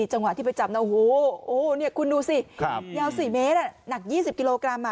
จังหวะที่ไปจับนะโอ้โหคุณดูสิยาว๔เมตรหนัก๒๐กิโลกรัม